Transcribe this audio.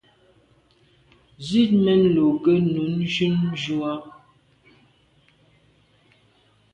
Zit mèn lo kô ne jun ju à.